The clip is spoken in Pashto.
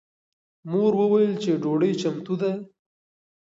مور وویل چې ډوډۍ چمتو ده.